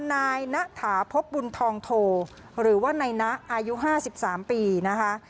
นายณถาพบบุญทองโทหรือว่านายนะอายุ๕๓ปีนะคะ